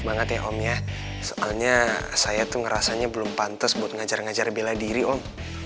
banget ya om ya soalnya saya tuh ngerasanya belum pantas buat ngajar ngajar bela diri om